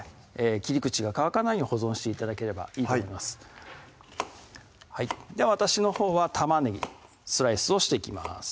切り口が乾かないように保存して頂ければいいと思いますでは私のほうは玉ねぎスライスをしていきます